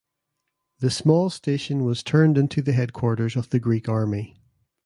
The small station was turned into the headquarters of the Greek army.